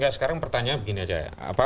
sekarang pertanyaan begini saja